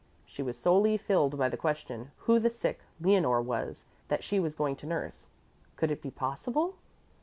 She was solely filled by the question who the sick Leonore was that she was going to nurse. Could it be possible?